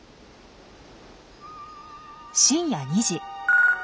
深夜２時。